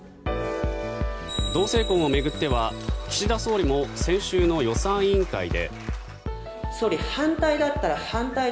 同性婚を巡っては岸田総理も先週の予算委員会で。